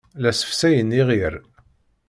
La ssefsayen iɣir.